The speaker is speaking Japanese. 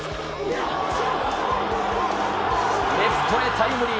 レフトへタイムリー。